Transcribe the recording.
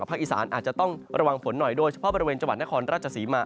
อีสานอาจจะต้องระวังฝนหน่อยโดยเฉพาะบริเวณจังหวัดนครราชศรีมา